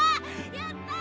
やったー！